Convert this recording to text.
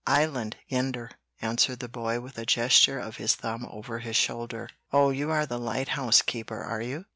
"Island, yender," answered the boy, with a gesture of his thumb over his shoulder. "Oh, you are the lighthouse keeper, are you?"